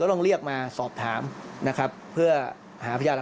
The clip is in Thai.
และถึงอาจมีเท่าไหร่